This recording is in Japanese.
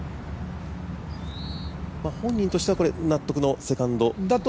本人としては納得のセカンドと？